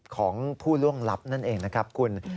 ของผู้ล่วงลับนั่นเองนะครับคุณ